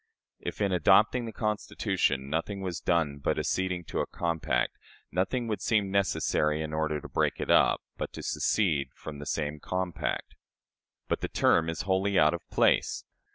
If, in adopting the Constitution, nothing was done but acceding to a compact, nothing would seem necessary, in order to break it up, but to secede from the same compact. But the term is wholly out of place.